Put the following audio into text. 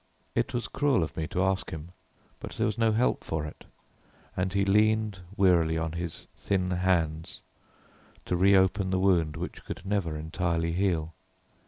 It was cruel of me to ask him, but there was no help for it, and he leaned wearily on his thin hands, to reopen the wound which could never entirely heal.